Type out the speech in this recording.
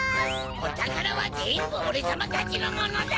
おたからはぜんぶオレさまたちのものだ！